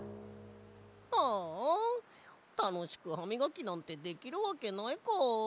はあたのしくハミガキなんてできるわけないか。